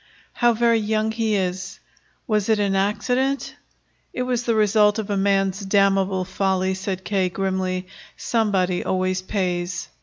"How very young he is! Was it an accident?" "It was the result of a man's damnable folly," said K. grimly. "Somebody always pays."